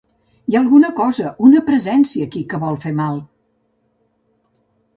Hi ha alguna cosa, una presència aquí, que vol fer mal!